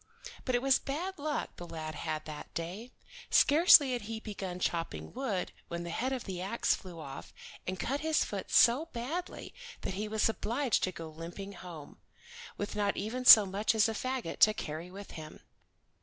But it was bad luck the lad had that day. Scarcely had he begun chopping wood when the head of the ax flew off, and cut his foot so badly that he was obliged to go limping home, with not even so much as a fagot to carry with him.